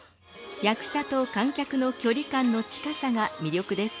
役者と観客の距離感の近さが魅力です。